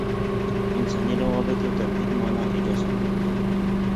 انساني روابطو توحید معنا اجازه نه ورکوو.